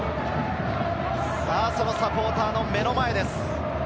サポーターの目の前です。